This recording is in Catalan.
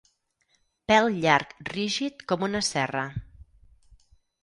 Pèl llarg rígid com una cerra.